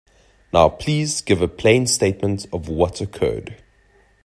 Now please give a plain statement of what occurred.